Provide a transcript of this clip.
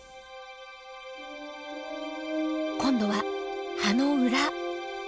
今度は葉の裏。